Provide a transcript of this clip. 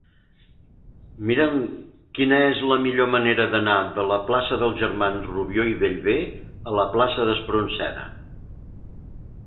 Mira'm quina és la millor manera d'anar de la plaça dels Germans Rubió i Bellver a la plaça d'Espronceda.